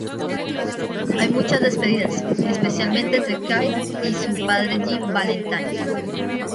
Hay muchas despedidas, especialmente entre Kyle y su padre Jim Valenti.